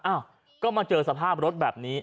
อ้าวก็มาเจอสภาพรถแบบนี้